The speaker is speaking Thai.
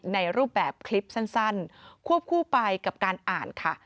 ในรูปแบบคลิปสั้นควบคู่ไปกับการอ่านค่ะ